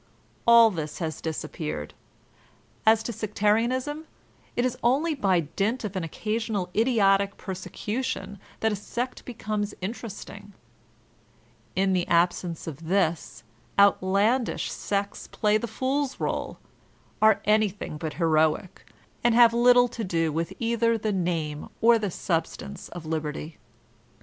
All this has mostly disappeared. As to sectarianism, it is only by dint of an occasional idiotic persecution that a sect becomes interesting; in the absence of this, out landish sects play the fool's role, are anything but heroic, and have little to do with either the name or the sub stance of liberty.